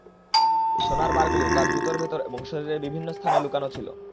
সোনার বারগুলো তাঁর জুতার ভেতর এবং শরীরের বিভিন্ন স্থানে লুকানো ছিল।